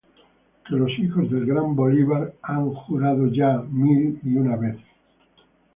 Que los hijos del grande Bolívar han ya mil y mil veces jurado: